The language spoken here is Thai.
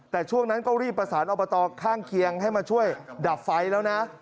แต่ช่วงนั้นก็รีบประสานอบตข้างเคียงให้มาช่วยดับไฟแล้วนะ